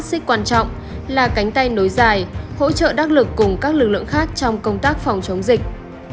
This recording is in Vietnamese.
xích quan trọng là cánh tay nối dài hỗ trợ đắc lực cùng các lực lượng khác trong công tác phòng chống dịch